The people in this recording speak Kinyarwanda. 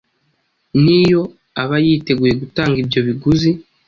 N’iyo aba yiteguye gutanga ibyo biguzi,